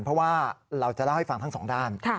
เพราะว่าเราจะเล่าให้ฟังทั้งสองด้าน